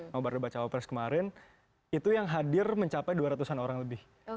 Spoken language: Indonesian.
nobar debat cawapres kemarin itu yang hadir mencapai dua ratus an orang lebih